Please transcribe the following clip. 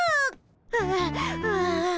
はあはあ。